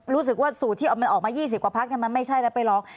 รู้สึกว่าสูตรที่เอามันออกมา๒๐กว่าพักมันไม่ใช่แล้วไปร้อง